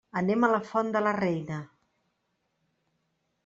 Anem a la Font de la Reina.